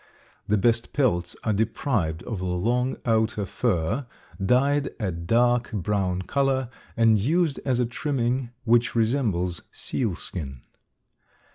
The best pelts are deprived of the long outer fur, dyed a dark brown color and used as a trimming which resembles sealskin.